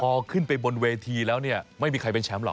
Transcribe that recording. พอขึ้นไปบนเวทีแล้วเนี่ยไม่มีใครเป็นแชมป์หรอก